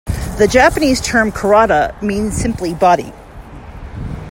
The Japanese term "karada" means simply "body".